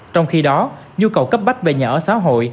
trong khi đó nhu cầu cấp bách về nhà ở xã hội